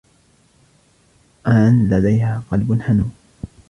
آن لديها قلب حنون.